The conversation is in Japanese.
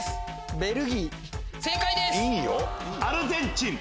アルゼンチン。